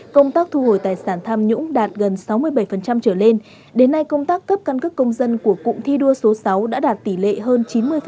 công tác thu hồi tài sản tham nhũng đạt gần sáu mươi bảy trở lên đến nay công tác cấp căn cước công dân của cụm thi đua số sáu đã đạt tỷ lệ hơn chín mươi